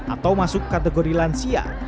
atau masuk kategori lansia